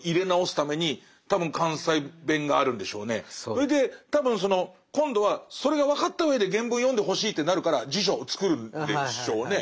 それで多分今度はそれが分かったうえで原文を読んでほしいってなるから辞書を作るんでしょうね。